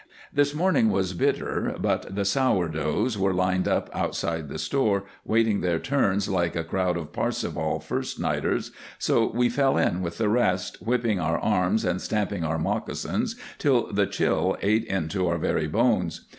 This morning was bitter, but the "sour doughs" were lined up outside the store, waiting their turns like a crowd of Parsifal first nighters, so we fell in with the rest, whipping our arms and stamping our moccasins till the chill ate into our very bones.